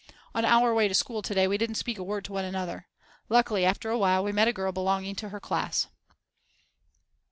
On our way to school to day we didn't Speak a word to one another. Luckily after awhile we met a girl belonging to her class.